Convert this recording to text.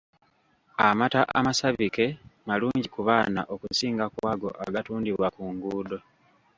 Amata amasabike malungi ku baana okusinga ku ago agatundibwa ku nguudo.